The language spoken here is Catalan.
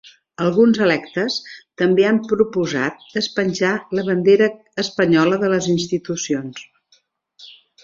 Alguns electes també han proposat despenjar la bandera espanyola de les institucions.